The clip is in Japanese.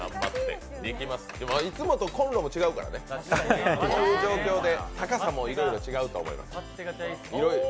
いつもとコンロも違うからねそういう状況で、高さもいろいろ違うと思います。